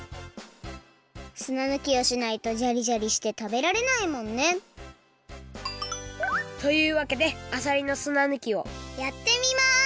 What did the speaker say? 砂ぬきをしないとジャリジャリしてたべられないもんねというわけであさりの砂ぬきをやってみます！